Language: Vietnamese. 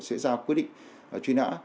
sẽ ra quy định truy nã